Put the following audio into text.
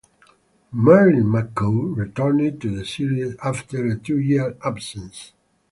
Marilyn McCoo returned to the series after a two-year absence.